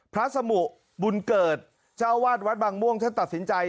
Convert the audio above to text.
สมุบุญเกิดเจ้าวาดวัดบางม่วงท่านตัดสินใจ